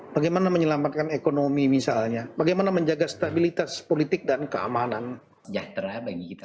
bagaimana menyelamatkan ekonomi misalnya bagaimana menjaga stabilitas politik dan keamanan